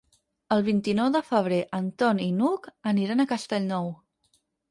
El vint-i-nou de febrer en Ton i n'Hug aniran a Castellnou.